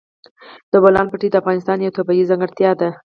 د بولان پټي د افغانستان یوه طبیعي ځانګړتیا ده.